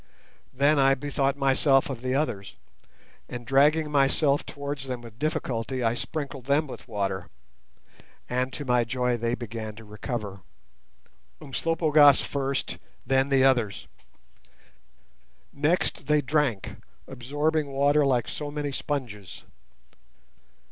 Then I bethought myself of the others, and, dragging myself towards them with difficulty, I sprinkled them with water, and to my joy they began to recover—Umslopogaas first, then the others. Next they drank, absorbing water like so many sponges.